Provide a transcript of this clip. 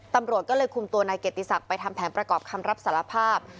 ตำรวจก็เลยคุมตัวนายเกียรติศักดิ์ไปทำแผนประกอบคำรับสารภาพ